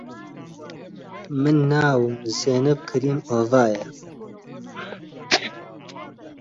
من ناوم زێنەب کەریم ئۆڤایە